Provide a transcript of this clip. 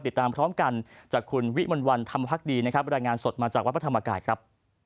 ติดตามพร้อมกันจากคุณวิมลวันธรรมพักดีนะครับรายงานสดมาจากวัดพระธรรมกายครับ